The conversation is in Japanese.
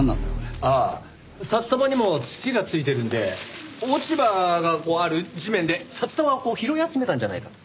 ああ札束にも土が付いてるんで落ち葉がこうある地面で札束をこう拾い集めたんじゃないかと。